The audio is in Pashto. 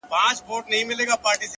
اوس يې ياري كومه ياره مـي ده.